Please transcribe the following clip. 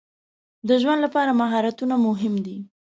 د ژوند لپاره مهارتونه مهم دي.